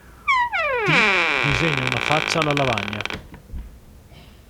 T disegna una faccia alla lavagna.